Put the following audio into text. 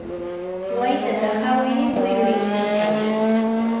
waytata hawi muyurinninchaw.